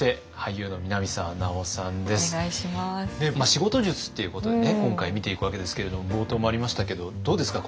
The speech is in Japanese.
仕事術っていうことでね今回見ていくわけですけれども冒頭もありましたけどどうですか？